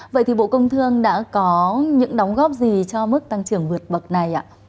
vậy thì bộ công thương đã có những đóng góp gì cho mức tăng trưởng vượt bậc này ạ